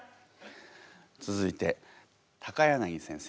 続いて柳先生